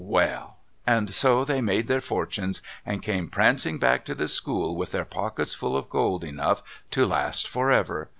Well ! And so they made their fortunes and came prancing back to the school, with their pockets full of gold, enough to last for ever.